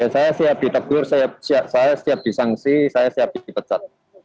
saya siap ditegur saya siap disangsi saya siap dipecat